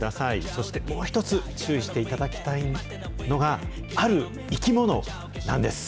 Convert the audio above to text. そしてもう一つ注意していただきたいのが、ある生き物なんです。